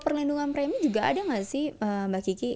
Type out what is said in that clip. perlindungan premi juga ada nggak sih mbak kiki